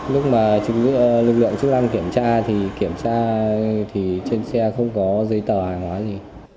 lúc mà lực lượng chức năng kiểm tra thì kiểm tra thì trên xe không có giấy tờ hàng hóa gì